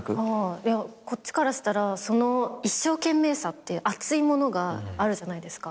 いやこっちからしたらその一生懸命さっていう熱いものがあるじゃないですか。